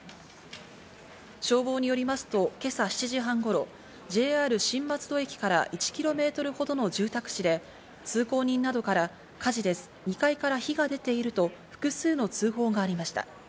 消防によりますと今朝７時半頃、ＪＲ新松戸駅から１キロメートルほどの住宅地で通行人などから、火事です、２階から火が出ていると複数の通報がありました。